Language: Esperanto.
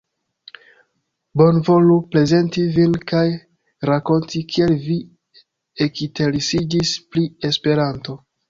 Bonvolu prezenti vin kaj rakonti kiel vi ekinteresiĝis pri Esperanto.